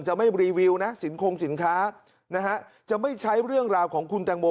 จะไม่รีวิวนะสินคงสินค้านะฮะจะไม่ใช้เรื่องราวของคุณแตงโม